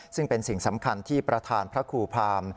ซึ่งเป็นสิ่งสำคัญที่ประธานพระครูพาม